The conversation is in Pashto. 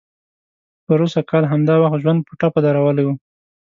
پروسږ کال همدا وخت ژوند په ټپه درولی و.